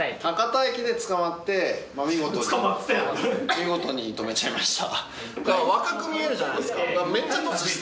見事に泊めちゃいました。